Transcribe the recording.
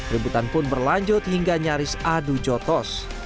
rebutan pun berlanjut hingga nyaris adu jotos